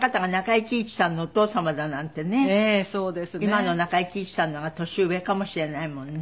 今の中井貴一さんの方が年上かもしれないもんね。